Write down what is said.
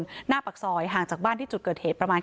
ตอนนั้นก็มีลูกชายไว้๒๐วันที่แม่ยายอุ้มอยู่